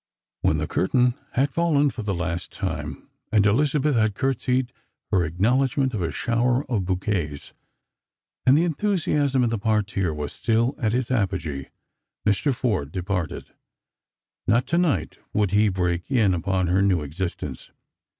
When the curtain had fallen for the last time^ and Elizabeth had curtseyed her acknowledgment of a shower of bouquets, and the enthusiasm in the parterre was still at its apogee, IM.r. Forde departed. Not to night would he break in upon her new existence.